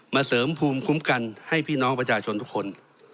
เสริมภูมิคุ้มกันให้พี่น้องประชาชนทุกคน